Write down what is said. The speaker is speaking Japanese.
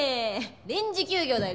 臨時休業だよ